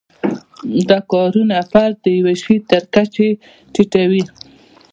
دا کارونه فرد د یوه شي تر کچې ټیټوي.